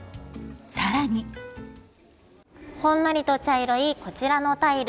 更にほんのりと茶色いこちらのタイル